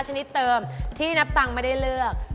ชนิดเติมที่นับตังค์ไม่ได้เลือก